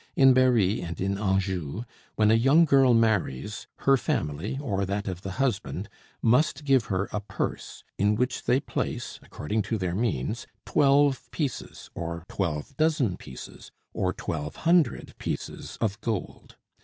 In Berry and in Anjou, when a young girl marries, her family, or that of the husband, must give her a purse, in which they place, according to their means, twelve pieces, or twelve dozen pieces, or twelve hundred pieces of gold.